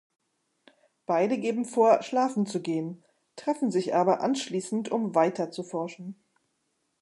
Beide geben vor, schlafen zu gehen, treffen sich aber anschließend, um weiter zu forschen.